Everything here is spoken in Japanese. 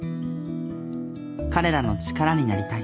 彼らの力になりたい。